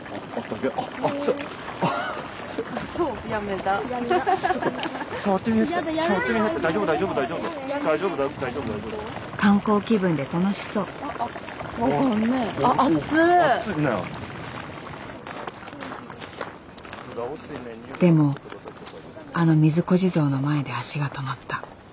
でもあの水子地蔵の前で足が止まった。